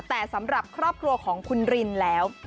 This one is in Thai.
แต่สำหรับครอบครัวของคุณรินแล้ว